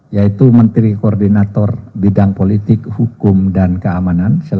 yaitu menteri koordinator bidang polis